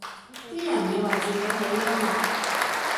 啲人以為自己好幽默